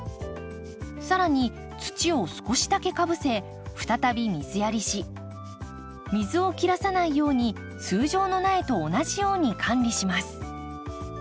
更に土を少しだけかぶせ再び水やりし水を切らさないように通常の苗と同じように管理します。